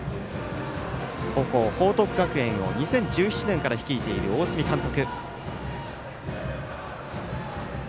報徳学園を２０１７年から率いている大角監督。